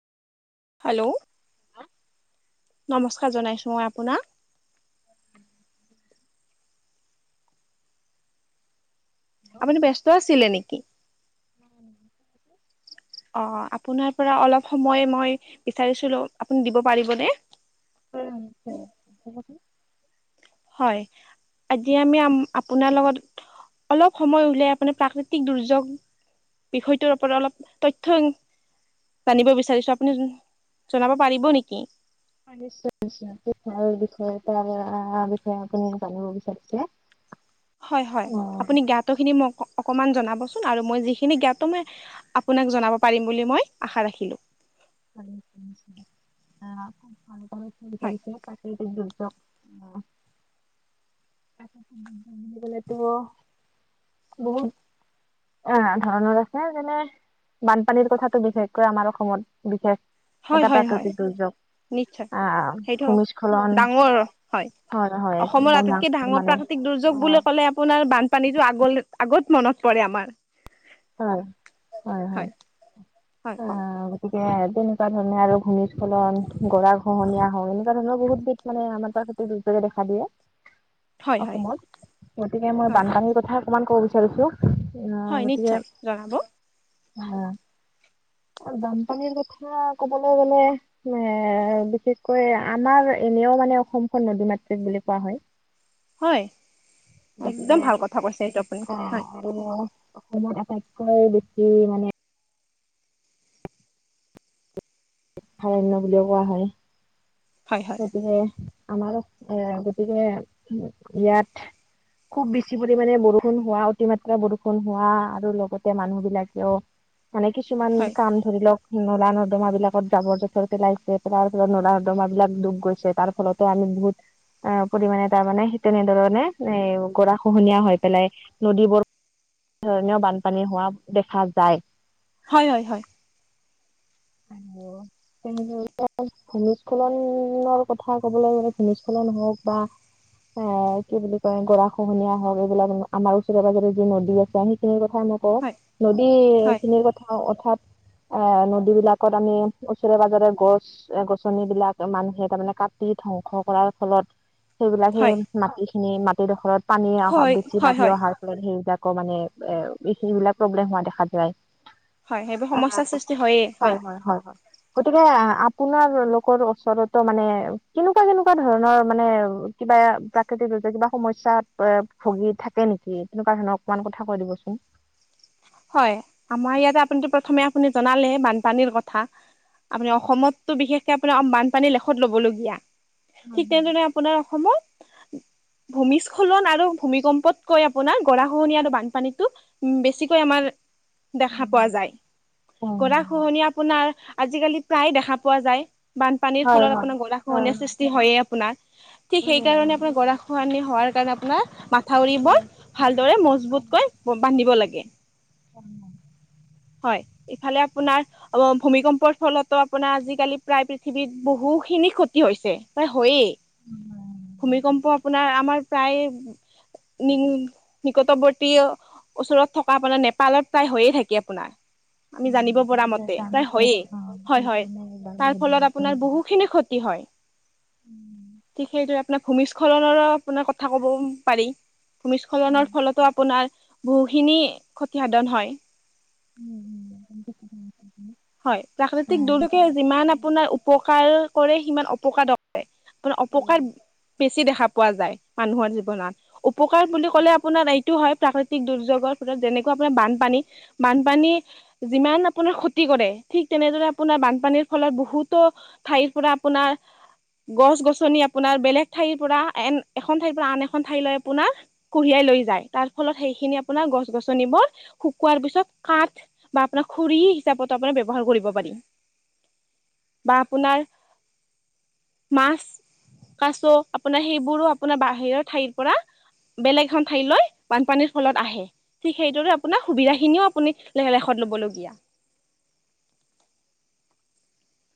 Hello নমস্কাৰ জনাইছো মই আপোনাক। [unintelligible] আপুনি ব্যস্ত আছিলে নেকি? অ [inaudible] অ আপোনাৰ পৰা অলপ সময় মই বিচাৰিছিলোঁ, আপুনি দিব পাৰিব নে? হয় নিশ্চয় নিশ্চয় ক'বচোন। হয় আজি আমি আপোনাৰ লগত অলপ সময় উলাই আপুনি প্ৰাকৃতিক দুৰ্যোগ বিষয়টোৰটো ওপৰত অলপ তথ্য জানিব বিচাৰিছো আপুনি জনাব পাৰিব নেকি? হয়, নিশ্চয় নিশ্চয় খুব ভাল বিষয় এটাৰ বিষয়ে আপুনি জানিব বিচাৰিছে। হয়, হয়, অ, আপুনি জ্ঞাতখিনি মোক অকণমান জনাবচোন আৰু মই যিখিনি জ্ঞাতটো মই আপোনাক জনাব পাৰিম বুলি মই আশা ৰাখিলোঁ। হয় [unintelligible] [unintelligible] বহুত অ', ধৰণৰ আছে যেনে বানপানীৰ কথাটো বিশেষকৈ আমাৰ অসমত বিশেষ হয় এটা হয় হয় প্ৰাকৃতিক দুৰ্যোগ। নিশ্চয়, আহ সেইটো ভূমিস্খলন ডাঙৰ হয়। হয় হয় অসমৰ একদম আটাইতকে ডাঙৰ মানে প্ৰাকৃতিক অ দুৰ্যোগ বুলি ক'লে আপোনাৰ বান পানীটো আগলে আগত মনত পৰে আমাৰ। হয়, হয়, হয়, হয় কওক অ'। গতিকে তেনেকুৱা ধৰণে আৰু ভূমিস্খলন, গৰাখহনীয়া হওঁক এনেকুৱা ধৰণৰ বহুত মানে আমাৰ প্ৰাকৃতিক দুৰ্যোগে দেখা দিয়ে। [inaudible] অসমত গতিকে মই হয় বানপানীৰ কথা অকমান ক'ব বিচাৰিছো হয় আ নিশ্চয় জনাব। হয়, বানপানীৰ কথা কবলৈ গ'লে এ বিশেষকৈ আমাৰ এনেও মানে অসমখন নদী মাতৃক বুলি কোৱা হয়। হয়, একদম গতিকে ভাল কথা কৈছে এইটো আপুনি। আহ হয় আৰু অসমত আটাইতকৈ বেছি মানে [unintelligible] বুলিও কোৱা হয়। হয় হয় গতিকে আমাৰো এ গতিকে ইয়াত খুব বেছি পৰিমাণে বৰষুণ হোৱা অতিমাত্ৰা বৰষুণ হোৱা আৰু লগতে মানুহ বিলাকেও মানে কিছুমান হয় কাম ধৰি লওক নলা-নৰ্দমা বিলাকত জাবৰ-জোথৰ পেলাইছে, তাৰফলত নলা-নৰ্দমা বিলাক ডুব গৈছে তাৰ ফলতে আমি বহুত অ', পৰিমাণে তাৰমানে তেনেধৰণে এ গৰা খহনীয়া হৈ পেলাই নদীবোৰ ধৰণীয় বানপানী হোৱা দেখা যায়। হয়, হয়, হয়। আৰু [inaudible] [unintelligible] ভূমিস্খলনৰ কথা ক'বলৈ গ'লে ভূমিস্খলন হওক বা এ কি বুলি কয় গৰা খহনীয়া হওক এইবিলাক আমাৰ ওচৰে পাজৰে যি নদী আছে সেই কথাই মই কওঁ হয় নদী হয় খিনিৰ কথা অৰ্থাৎ আ, নদী বিলাক ত আমি ওচৰে পাজৰে গছ গছনি বিলাক মানুহে তাৰমানে কাটি ধ্বংস কৰাৰ ফলত। সেইবিলাক সেই হয় মাটিখিনি মাটিডোখৰত পানী অহা হয় বেছি হয় বাঢ়ি হয় অহাৰ ফলত সেইবিলাকৰ মানে এ সেইবিলাক প্ৰব্লেম হোৱা দেখা যায়। হয়, সেইবোৰ সমস্যাৰ সৃষ্টি হয়েই হয়। হয়, হয়, হয়। গতিকে আপোনাৰ লোকৰ ওচৰতো মানে কেনেকুৱা কেনেকুৱা ধৰণৰ মানে কিবা প্ৰাকৃতিক দুৰ্যোগ কিবা সমস্যাত এ ভুগি থাকে নেকি তেনেকুৱা ধৰণৰ অকমান কথা কৈ দিবচোন? হয়, আমাৰ ইয়াতে আপুনিতো প্ৰথমে আপুনি জনালে বানপানীৰ কথা। আপুনি অসমততো বিশেষকে আপোনাৰ বানপানীৰ লেখত লবলগীয়া ঠিক তেনেধৰণে। আপোনাৰ অসমত। ভূমিস্খলন আৰু ভূমিকম্পতকৈ আপোনাৰ গৰা খহনীয়া আৰু বানপানীতো বেছি। কৈ আমাৰ দেখা পোৱা যায় উম, গৰা। খহনীয়া আজিকালি প্ৰায় দেখা পোৱা যায় বানপানীৰ হয় ফলত হয় আপোনাৰ গৰা হয় খহনীয়া সৃ- হি হয় আপোনাৰ ঠিক হয়। সেই কাৰণে আপোনাৰ গৰা খহনীয়া হোৱাৰ কাৰণে আপোনাৰ ম- থাউৰিবোৰ ভালদৰে মজবুতকৈ বান্ধিব লাগে। [unintelligible] হয় ইফালে আপোনাৰ। অ ভূমিকম্পৰ ফলতো আপোনাৰ আজিকালি প্ৰায় পৃথিৱীত বহু খিনি ক্ষতি হৈছে প্ৰায় হয়েই। ভূমিকম্প আপোনাৰ আমাৰ প্ৰায়। নি নিকটবৰ্তী ওচৰত থকা আপোনাৰ নেপালত প্ৰায় হৈয়ে থাকে। আপোনাৰ। আমি জানিব পৰা মতে প্ৰায় হয়েই হয় হয় তাৰ ফলত আপোনাৰ বহু খিনি ক্ষতি। কি হয়? ঠিক সেইদৰে আপোনাৰ ভূমিস্খলনৰো আপোনাৰ কথা ক'ব পাৰি। ভূমিস্খলনৰ ফলতো আপোনাৰ বহুখিনি ক্ষতিসাধন হয়। [unintelligible] হয় প্ৰাকৃতিক দুৰ্যোগে যিমান আপোনাৰ উপকাৰ কৰে সিমান অপকাৰো। হয় মানে অপকাৰ বেছি দেখা পোৱা যায় মানুহৰ জীৱনত। উপকাৰ বুলি ক'লে আপোনাৰ আই। এটো হয় প্ৰাকৃতিক দুৰ্যোগৰ ফলত যেনেকুৱা আপোনাৰ বানপানী বানপানী যিমান আপোনাৰ। কৰে ঠিক তেনেদৰে আপোনাৰ বানপানীৰ ফলত বহুতো ঠাইৰ পৰা আপোনাৰ। গছ -গছনি আপোনাৰ বেলেগ ঠাইৰ পৰা এন এখন ঠাইৰ পৰা আন এখন ঠাইলৈ আপোনাৰ। কঢ়িয়াই লৈ যায় তাৰ ফলত সেইখিনি আপোনাৰ গছ- গছনিবোৰ শুকুৱাৰ পিছত কাঠ। বা আপোনাৰ খৰি হিচাপত আপোনাৰ ব্যৱহাৰ কৰিব পাৰি। বা আপোনাৰ মাছ। কাছো আপোনাৰ সেইবোৰো আপোনাৰ বাহিৰৰ ঠাইৰ পৰা। বেলেগ এখন ঠাইলৈ বানপানীৰ ফলত আহে। ঠিক সেইদৰে আপোনাৰ সুবিধাখিনিও আপুনি লেখ লেখত লবলগীয়া।